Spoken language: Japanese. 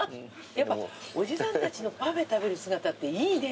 やっぱおじさんたちのパフェ食べる姿っていいね。